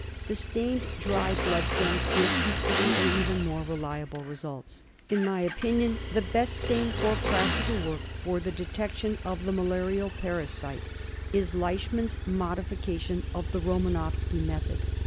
The stained dry blood films give equally, or even more, reliable results. In my opinion the best stain for practical work for the detection of the malarial parasite is Leishman's modifi cation of the Romanowsky method.